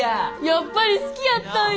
やっぱり好きやったんや！